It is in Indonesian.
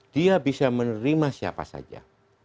dia bisa menerima siapa saja